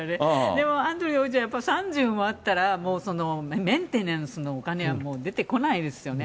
でも、アンドルー王子はやっぱ３０もあったら、もうそのメンテナンスのお金はもう出てこないですよね。